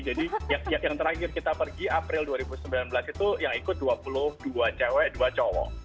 jadi yang terakhir kita pergi april dua ribu sembilan belas itu yang ikut dua puluh dua cewek dua cowok